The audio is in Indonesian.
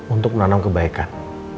untuk menanam kebaikan